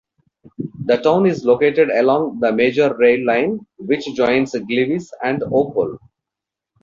The town is located along the major rail line which joins Gliwice and Opole.